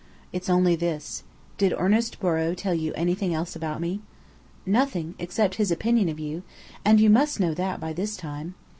"It's only this: Did Ernest Borrow tell you anything else about me?" "Nothing, except his opinion of you. And you must know that, by this time."